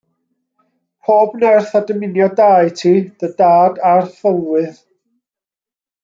Pob nerth a dymuniad da i ti, dy dad a'r thylwyth.